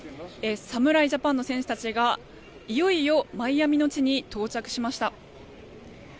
侍ジャパンの選手たちがいよいよマイアミの地に到着しました。